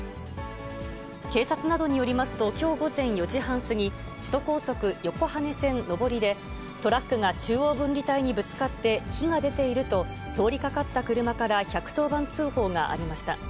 警察などによりますと、きょう午前４時半過ぎ、首都高速横羽線上りで、トラックが中央分離帯にぶつかって、火が出ていると、通りかかった車から１１０番通報がありました。